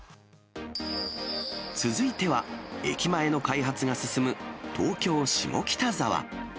続いては、駅前の開発が進む東京・下北沢。